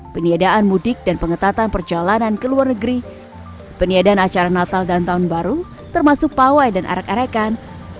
peniadaan mudik dan pengetatan perjalanan ke luar negeri peniadaan acara natal dan tahun baru termasuk pawai dan arak arakan